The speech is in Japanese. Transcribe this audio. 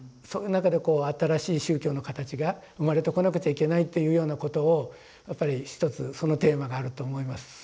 そういう中で新しい宗教の形が生まれてこなくちゃいけないっていうようなことをやっぱりひとつそのテーマがあると思います。